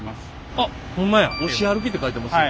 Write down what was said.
あっホンマや「押歩き」って書いてます。